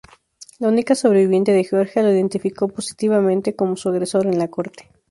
La única sobreviviente de Georgia lo identificó positivamente como su agresor en la corte.